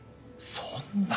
そんな。